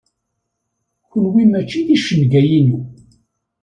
Kenwi mačči d icenga-inu.